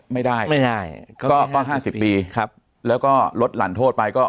ไม่ได้ไม่ได้ก็ก็ห้าสิบปีครับแล้วก็ลดหลั่นโทษไปก็